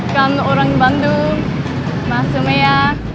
kan orang bandung mas sumeya